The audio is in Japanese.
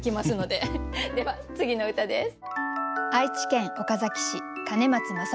では次の歌です。